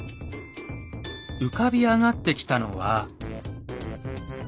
浮かび上がってきたのは。